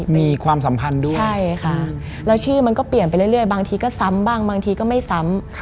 มีความสัมพันธ์ด้วยใช่ค่ะแล้วชื่อมันก็เปลี่ยนไปเรื่อยบางทีก็ซ้ำบ้างบางทีก็ไม่ซ้ำ